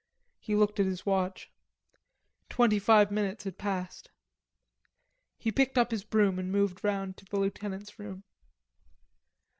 He looked at his watch. Twenty five minutes had passed. He picked up his broom and moved round to the lieutenant's room.